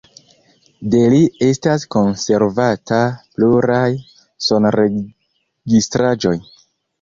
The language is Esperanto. De li estas konservata pluraj sonregistraĵoj.